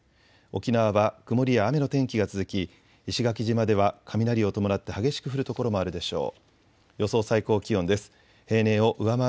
沖縄は曇りや雨の天気が続き石垣島では雷を伴って激しく降る所もあるでしょう。